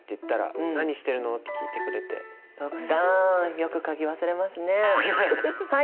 よく鍵忘れますね。